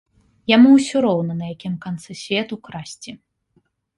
Яму ўсё роўна, на якім канцы свету красці.